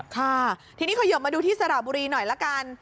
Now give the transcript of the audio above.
ค่ะทีนี้ขยบมาดูที่สระบุรีหน่อยละกัน